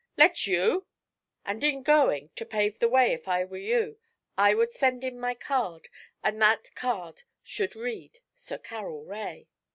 'Let you!' 'And in going, to pave the way, if I were you, I would send in my card, and that card should read, "Sir Carroll Rae."'